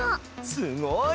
すごい！